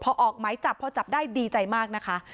พอออกหมายจับพอจับได้ดีใจมากนะคะ